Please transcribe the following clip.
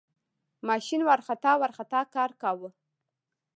ماشین ورخطا ورخطا کار کاوه.